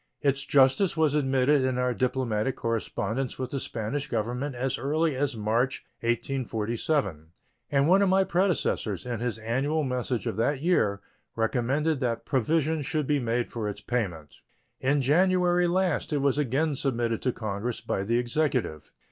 Its justice was admitted in our diplomatic correspondence with the Spanish Government as early as March, 1847, and one of my predecessors, in his annual message of that year, recommended that provision should be made for its payment. In January last it was again submitted to Congress by the Executive.